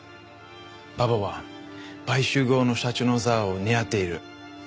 馬場は買収後の社長の座を狙っている。